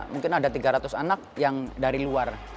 mungkin ada tiga ratus anak yang dari luar